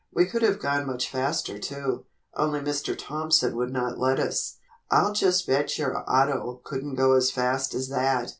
We could have gone much faster too, only Mr. Thompson would not let us. I'll just bet your auto couldn't go as fast as that."